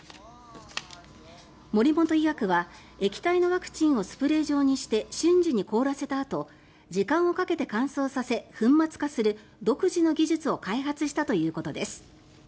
モリモト医薬は液体のワクチンをスプレー状にして瞬時に凍らせたあと時間をかけて乾燥させ粉末化する独自の技術を開発したということです。